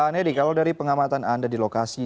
nedy kalau dari pengamatan anda di lokasi ini